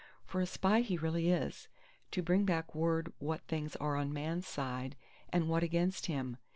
For a Spy he really is—to bring back word what things are on Man's side, and what against him.